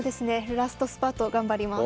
ラストスパート頑張ります。